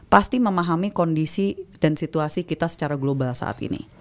pasti memahami kondisi dan situasi kita secara global saat ini